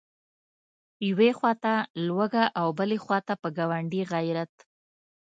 یوې خواته لوږه او بلې خواته په ګاونډي غیرت.